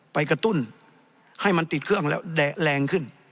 กระตุ้นให้มันติดเครื่องแล้วแดะแรงขึ้น